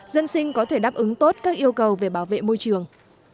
dân sinh có thể đáp ứng tốt các yêu cầu về bảo vệ môi trường